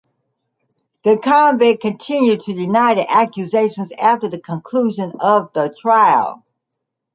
The convict continued to deny the accusations after the conclusion of the trial.